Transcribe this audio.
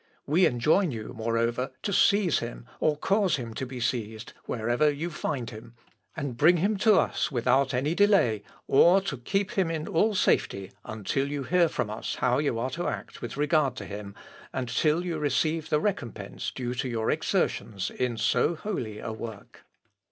We enjoin you, moreover, to seize him, or cause him to be seized, wherever you find him, and bring him to us without any delay, or to keep him in all safety until you hear from us how you are to act with regard to him, and till you receive the recompence due to your exertions in so holy a work.